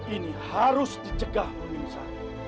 ini harus dicegah binsa